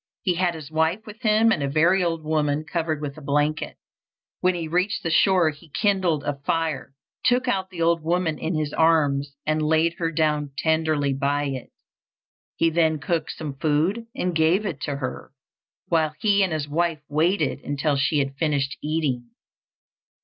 He had his wife with him and a very old woman covered with a blanket. When he reached the shore he kindled a fire, took out the old woman in his arms and laid her down tenderly by it. He then cooked some food and gave it to her, while he and his wife waited until she had finished eating.